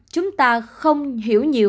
chúng ta không hiểu nhiều